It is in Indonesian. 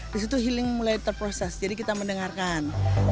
disitu healing mulai terproses jadi kita mendengarkan